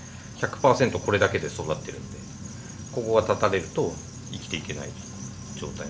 これだけで育ってるんでここが絶たれると生きていけない状態。